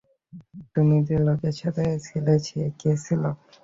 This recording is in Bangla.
তুমি যে লোকের সাথে ছিলে সে কে ছিল?